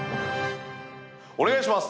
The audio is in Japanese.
お願いします。